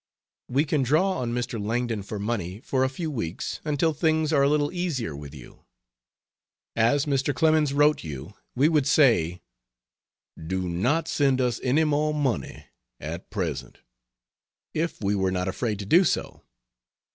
We can draw on Mr. Langdon for money for a few weeks until things are a little easier with you. As Mr. Clemens wrote you we would say "do not send us any more money at present" if we were not afraid to do so.